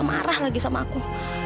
marah lagi sama aku